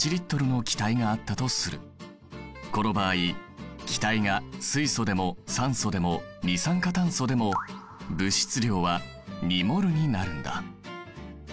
この場合気体が水素でも酸素でも二酸化炭素でも物質量は２ｍｏｌになるんだ。